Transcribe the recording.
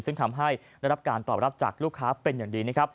ซึ่งทำให้ได้รับการตอบรับจากลูกค้าเป็นอย่างดีนะครับ